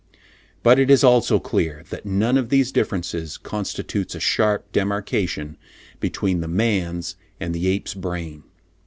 But it is also clear, that none of these differences constitutes a sharp demarcation between the man's and the ape's brain.